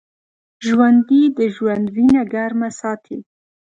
ژوندي د ژوند وینه ګرمه ساتي